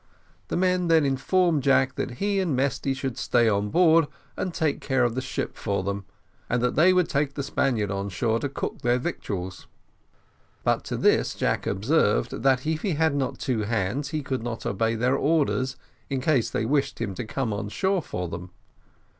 The men then informed Jack that he and Mesty should stay on board, and take care of the ship for them, and that they would take the Spaniard on shore to cook their victuals; but to this Jack observed, that if he had not two hands, he could not obey their orders, in case they wished him to come on shore for them.